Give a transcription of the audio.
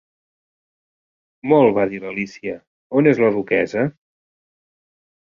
"Molt", va dir l'Alícia, "on és la duquessa?"